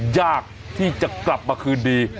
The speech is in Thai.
ยากที่จะกลับมาคืนดี